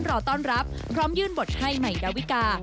รอต้อนรับพร้อมยื่นบทให้ใหม่ดาวิกา